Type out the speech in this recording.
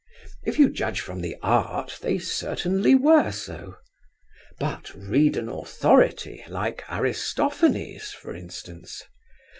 If you judge from the art, they certainly were so. But read an authority, like Aristophanes, for instance.